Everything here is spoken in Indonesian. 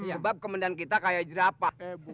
sebab kemendan kita kayak jerapa